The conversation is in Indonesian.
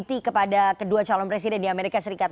survei ya mas ya survei terakhir ya